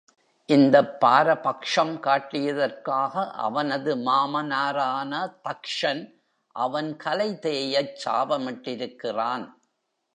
இந்தப் பாரபக்ஷம் காட்டியதற்காக அவனது மாமனாரான தக்ஷன், அவன் கலை தேயச் சாபமிட்டிருக்கிறான்.